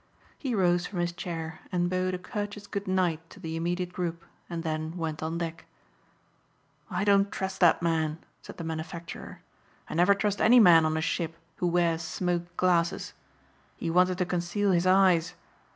He rose from his chair and bowed a courteous goodnight to the immediate group and then went on deck. "I don't trust that man," said the manufacturer. "I never trust any man on a ship who wears smoked glasses. He wanted to conceal his eyes.